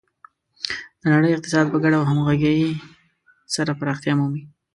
د نړۍ اقتصاد په ګډه او همغږي سره پراختیا مومي.